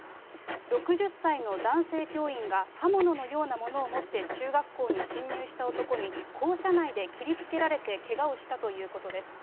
６０歳の男性教員が、刃物のようなものを持って、中学校に侵入した男に校舎内で切りつけられてけがをしたということです。